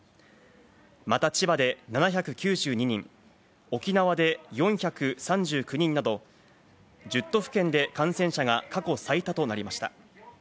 また、千葉で７９２人、沖縄で４３９人など、１０都府県で感染者が過去最多となりました。